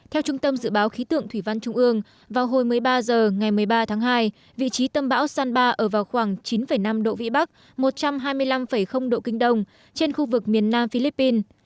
theo trung tâm dự báo khí tượng thủy văn trung ương vào hồi một mươi ba h ngày một mươi ba tháng hai vị trí tâm bão san ba ở vào khoảng chín năm độ vĩ bắc một trăm hai mươi năm độ kinh đông trên khu vực miền nam philippines